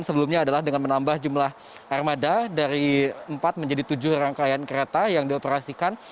sebelumnya adalah dengan menambah jumlah armada dari empat menjadi tujuh rangkaian kereta yang dioperasikan